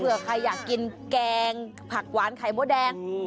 ใครอยากกินแกงผักหวานไข่มดแดง